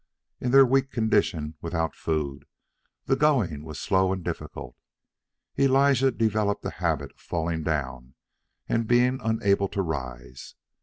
In their weak condition, without food, the going was slow and difficult. Elijah developed a habit of falling down and being unable to rise.